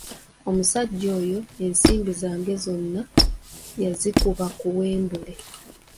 Omusajja oyo ensimbi zange zonna yazikuba ku wembuule.